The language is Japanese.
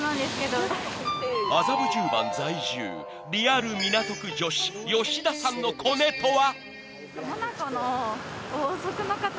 ［麻布十番在住リアル港区女子吉田さんのコネとは？］